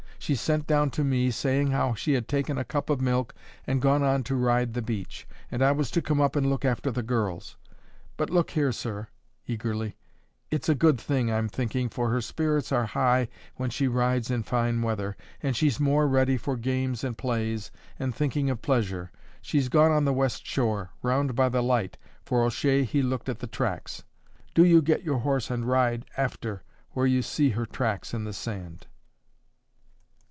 "She sent down to me, saying how she had taken a cup of milk and gone to ride on the beach, and I was to come up and look after the girls. But look here, sir" eagerly "it's a good thing, I'm thinking, for her spirits are high when she rides in fine weather, and she's more ready for games and plays, and thinking of pleasure. She's gone on the west shore, round by the light, for O'Shea he looked at the tracks. Do you get your horse and ride after, where you see her tracks in the sand."